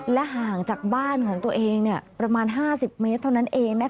และห่างจากบ้านของตัวเองประมาณ๕๐เมตรเท่านั้นเอง